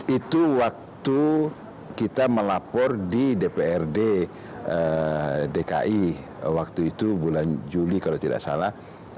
itu waktu kita melapor di dprd dki waktu itu bulan juli kalau tidak salah